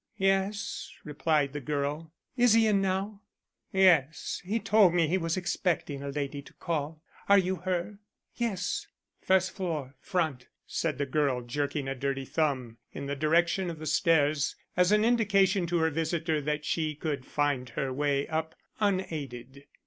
"Yes," replied the girl. "Is he in now?" "Yes, he told me he was expecting a lady to call. Are you her?" "Yes." "First floor front," said the girl, jerking a dirty thumb in the direction of the stairs as an indication to her visitor that she could find her way up unaided.